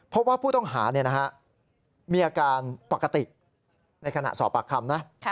พบว่าผู้ต้องหามีอาการปกติในขณะสอบปากคำนะ